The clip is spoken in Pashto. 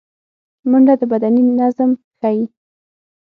منډه د بدني نظم ښيي